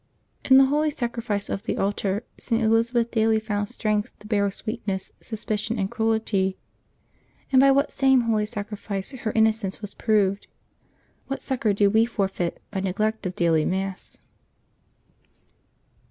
— In the Holy Sacrifice of the Altar St. Eliza beth daily found strength to bear with sweetness suspicion and cruelty; and by that same Holy Sacrifice her inno cence was proved. What succor do we forfeit by neglect of daily Mass